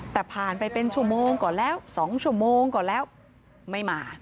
แต่ผ่านไปเป็นชั่วโมงก่อนแล้ว๒ชั่วโมงก่อนแล้วไม่มา